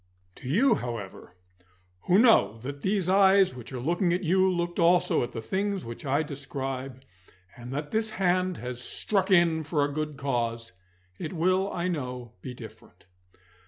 To you, however, who know that these eyes which are looking at you looked also at the things which I describe, and that this hand has struck in for a good cause, it will, I know, be different.